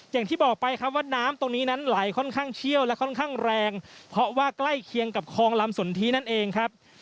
อย่างที่บอกไปครับว่าน้ำตรงนี้นั้นไหลค่อนข้างเชี่ยวและค่อนข้างแรงเพราะว่าใกล้เคียงกับคลองลำสนทินั่นเองครับ